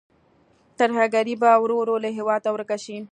ترهګري به ورو ورو له هېواده ورکه شي.